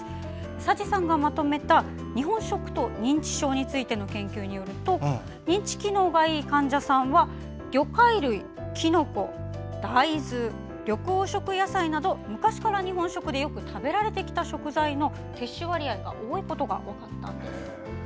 佐治さんがまとめた日本食と認知症についての研究によると認知機能がいい患者さんは魚介類、きのこ、大豆緑黄色野菜など昔から日本食でよく食べられてきた食材の摂取割合が多いことが分かったんです。